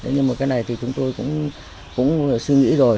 nhưng mà cái này thì chúng tôi cũng suy nghĩ rồi